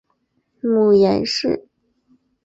母阎氏。